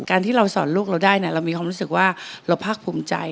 ที่เราสอนลูกเราได้เรามีความรู้สึกว่าเราภาคภูมิใจ